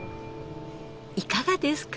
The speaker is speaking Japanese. いかがですか？